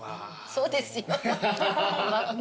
そうですよ。